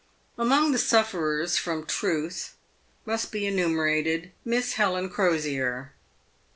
Among the sufferers from truth must be enumerated Miss Helen Crosier.